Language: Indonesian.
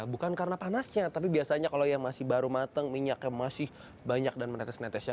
bukan karena panasnya tapi biasanya kalau yang masih baru mateng minyaknya masih banyak dan menetes netesnya